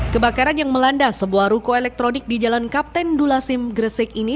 kebakaran yang melanda sebuah ruko elektronik di jalan kapten dulasim gresik ini